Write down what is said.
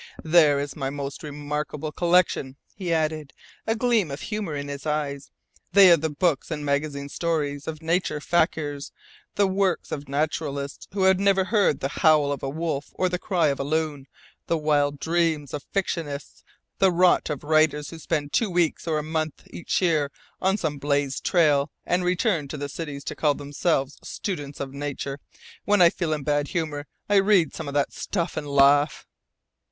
" there is my most remarkable collection," he added, a gleam of humour in his eyes. "They are the books and magazine stories of nature fakirs, the 'works' of naturalists who have never heard the howl of a wolf or the cry of a loon; the wild dreams of fictionists, the rot of writers who spend two weeks or a month each year on some blazed trail and return to the cities to call themselves students of nature. When I feel in bad humour I read some of that stuff and laugh."